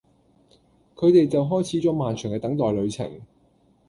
佢哋就開始咗漫長嘅等待旅程